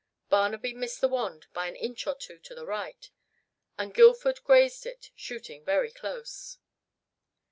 Barnaby missed the wand by an inch or two to the right, and Guildford grazed it, shooting very close.